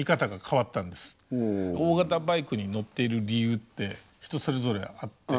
大型バイクに乗っている理由って人それぞれあって。